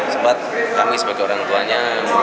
sempat kami sebagai orang tuanya